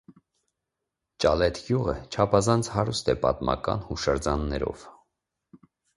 Ճալեթ գյուղը չափազանց հարուստ է պատմական հուշարձաններով։